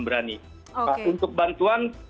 berani untuk bantuan